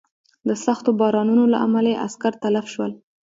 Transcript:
د سختو بارانونو له امله یې عسکر تلف شول.